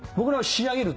「仕上げる」！？